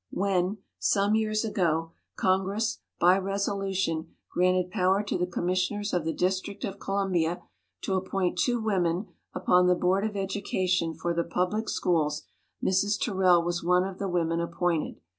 When, some years ago, Congress by resolution granted power to the Commissioners of the District of Columbia to appoint two women upon the Board of Education for the public schools, Mrs. Terrell was one of the women ap pointed.